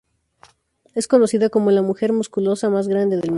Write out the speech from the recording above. Es conocida como la ""mujer musculosa más grande del mundo"".